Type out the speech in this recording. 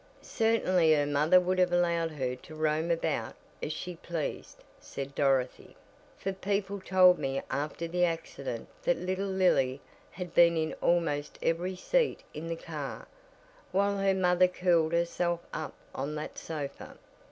"Certainly her mother would have allowed her to roam about as she pleased," said Dorothy, "for people told me after the accident that little Lily had been in almost every seat in the car, while her mother curled herself up on that sofa.